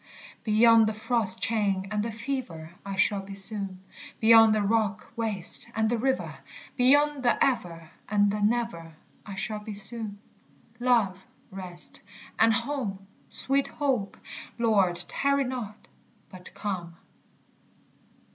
Beyond the frost chain and the fever I shall be soon; Beyond the rock waste and the river, Beyond the ever and the never, I shall be soon. _Love, rest, and home! Sweet hope! Lord, tarry not, but come.